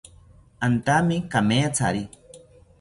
Antami kamethari